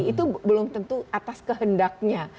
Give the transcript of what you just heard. itu belum tentu atas kehendaknya